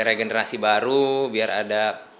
regenerasi baru biar ada